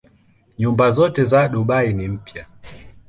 Nyumba zote za Dubai ni mpya.